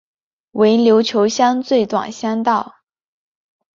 为琉球乡最短乡道。